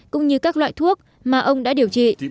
các loại thuốc mà ông đã điều trị